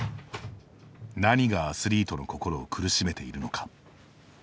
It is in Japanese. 何がアスリートの心を苦しめているのか。